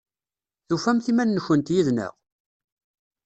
Tufamt iman-nkent yid-neɣ?